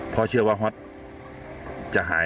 เพราะเชื่อว่าฮอตจะหาย